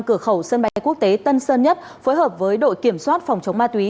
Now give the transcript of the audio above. cửa khẩu sân bay quốc tế tân sơn nhất phối hợp với đội kiểm soát phòng chống ma túy